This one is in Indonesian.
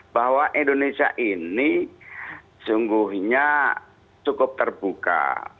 bahwa indonesia ini sungguhnya cukup terbuka